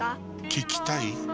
聞きたい？